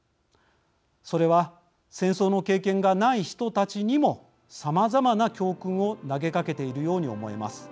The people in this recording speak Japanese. それは戦争の経験がない人たちにもさまざまな教訓を投げかけているように思えます。